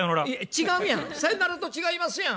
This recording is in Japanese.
違うやん「さよなら」と違いますやん。